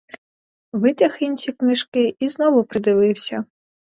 Витяг інші книжки і знову придивився.